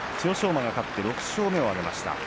馬が勝って６勝目を挙げました。